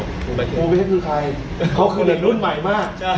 ปูไม่ได้รู้ใครเขาคือเด็กรุ่นใหม่มาก